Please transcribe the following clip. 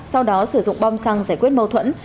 sau đó sử dụng bom xăng giải quyết mâu thuẫn